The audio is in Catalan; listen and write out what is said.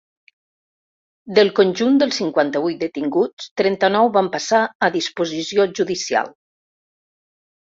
Del conjunt dels cinquanta-vuit detinguts, trenta-nou van passar a disposició judicial.